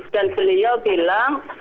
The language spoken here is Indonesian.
dan beliau bilang